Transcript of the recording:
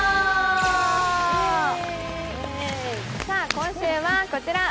今週はこちら。